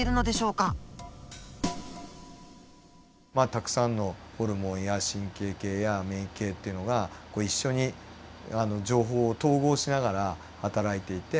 たくさんのホルモンや神経系や免疫系っていうのがこう一緒に情報を統合しながらはたらいていて。